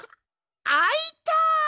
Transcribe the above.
あいた！